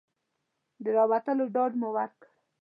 د ورتلو ډاډ مو ورکړ.